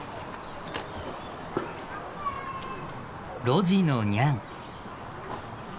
路地のニャン。